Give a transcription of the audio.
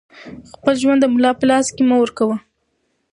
خپل ژوند د ملا په لاس کې مه ورکوه